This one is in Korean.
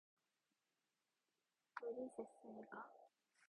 부르셨습니까?